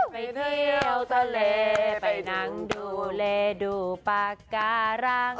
ไปที่เยาสะเลไปนังดูเลยดูปากการัง